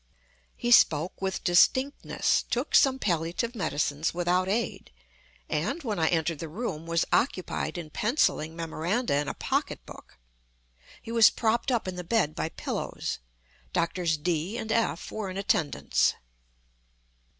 He spoke with distinctness—took some palliative medicines without aid—and, when I entered the room, was occupied in penciling memoranda in a pocket book. He was propped up in the bed by pillows. Doctors D—— and F—— were in attendance.